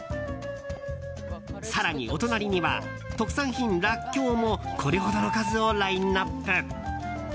更に、お隣には特産品ラッキョウもこれほどの数をラインアップ。